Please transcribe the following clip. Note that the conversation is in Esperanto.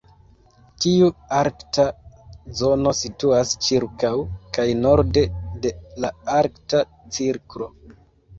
Tiu arkta zono situas ĉirkaŭ kaj norde de la Arkta Cirklo.